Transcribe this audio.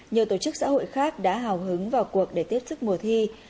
nhiều tổ chức xã hội khác đã hào hứng vào cuộc để tiếp sức mùa thi